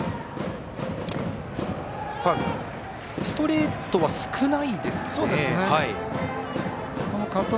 ストレートは少ないですかね。